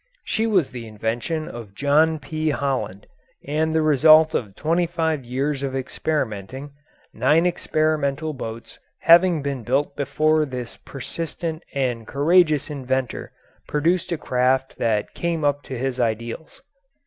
She was the invention of John P. Holland, and the result of twenty five years of experimenting, nine experimental boats having been built before this persistent and courageous inventor produced a craft that came up to his ideals.